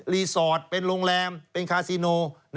สอดเป็นโรงแรมเป็นคาซิโน